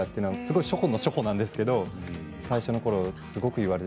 初歩の初歩なんですけど最初のころすごく言われて。